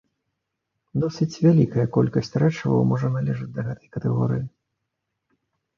Досыць вялікая колькасць рэчываў можа належаць да гэтай катэгорыі.